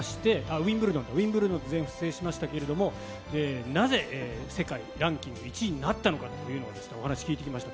ウィンブルドンか、ウィンブルドンと全仏を制しまして、なぜ、世界ランキング１位になったのかというのをお話聞いてきました。